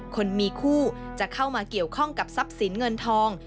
คนมีคู่จะเข้ามาเกี่ยวข้องกับทรัพย์สินเงินทอง